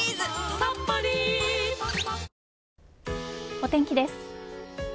お天気です。